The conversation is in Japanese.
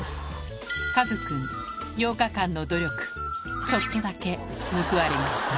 かずくん８日間の努力ちょっとだけ報われました